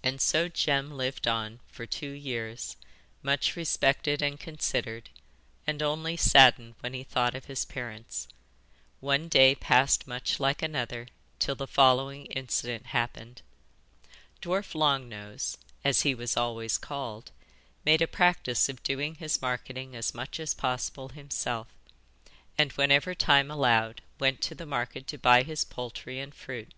And so Jem lived on for two years, much respected and considered, and only saddened when he thought of his parents. One day passed much like another till the following incident happened. Dwarf Long Nose as he was always called made a practice of doing his marketing as much as possible himself, and whenever time allowed went to the market to buy his poultry and fruit.